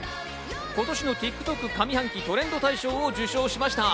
今年のＴｉｋＴｏｋ上半期トレンド大賞を受賞しました。